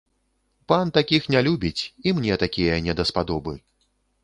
Пан такіх не любіць, і мне такія не даспадобы.